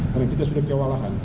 karena kita sudah kewalahan